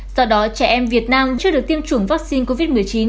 do đó trẻ em việt nam chưa được tiêm chủng vaccine covid một mươi chín